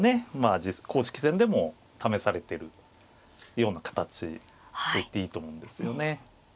公式戦でも試されてるような形と言っていいと思うんですよね。